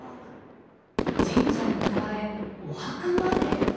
神社に加えお墓まで。